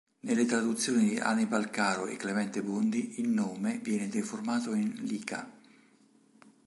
Nelle traduzioni di Annibal Caro e Clemente Bondi il nome viene deformato in "Lica".